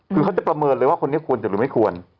คือเขาจะประเมินเลยว่าคนนี้ควรจะหรือไม่ควร